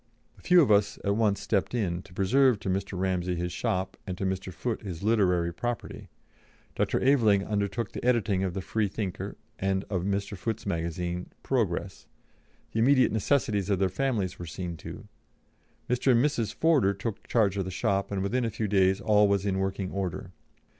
A few of us at once stepped in, to preserve to Mr. Ramsey his shop, and to Mr. Foote his literary property; Dr. Aveling undertook the editing of the Freethinker and of Mr. Foote's magazine Progress; the immediate necessities of their families were seen to; Mr. and Mrs. Forder took charge of the shop, and within a few days all was in working order.